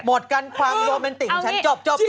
หมดกันความโรแมนติกของฉันจบสิ